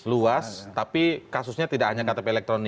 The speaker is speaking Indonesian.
luas tapi kasusnya tidak hanya ktp elektronik